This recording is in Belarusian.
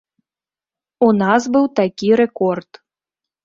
У нас быў такі рэкорд.